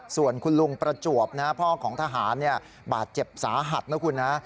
ส่วนคุณลุงประจวบนะพ่อของทหารบาดเจ็บสาหัสนะคุณนะ